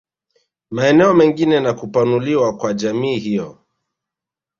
Maeneo mengine na kupanuliwa kwa jamii hiyo